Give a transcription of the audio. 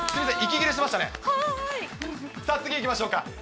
次いきましょうか。